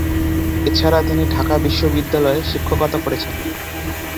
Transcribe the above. এছাড়া, তিনি ঢাকা বিশ্ববিদ্যালয়ে শিক্ষকতা করেছেন।